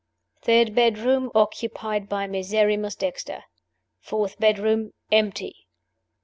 Third bedroom, occupied by Miserrimus Dexter. Fourth bedroom, empty.